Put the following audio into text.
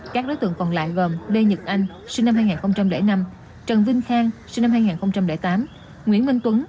các đối tượng còn lại gồm lê nhật anh sinh năm hai nghìn năm trần vinh khang sinh năm hai nghìn tám nguyễn minh tuấn